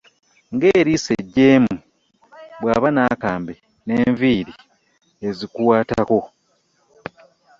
g'eriiso eriggyeemu, bw'aba n'akambe n'enviiri ezikuwaatako